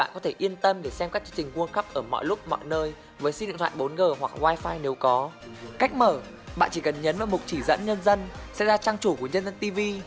cách mở bạn chỉ cần nhấn vào mục chỉ dẫn nhân dân sẽ ra trang chủ của nhân dân tv